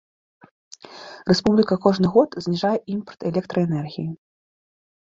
Рэспубліка кожны год зніжае імпарт электраэнергіі.